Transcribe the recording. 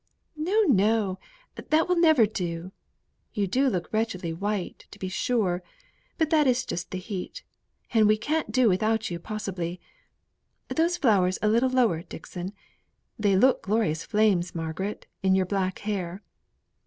"No, no! that will never do. You do look wretchedly white, to be sure; but that is just the heat, and we can't do without you possibly. (Those flowers a little lower, Dixon. They look glorious flames, Margaret, in your black hair.)